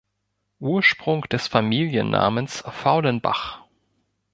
Ursprung des Familiennamens Faulenbach.